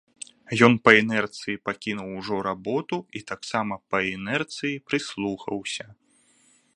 Ён па інерцыі пакінуў ужо работу і таксама па інерцыі прыслухаўся.